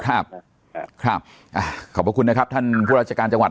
นะครับขอบคุณนะครับท่านผู้ราชการจังหวัด